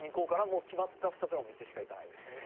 もう決まった２つのお店しか行かないですし。